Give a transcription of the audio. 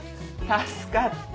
助かった。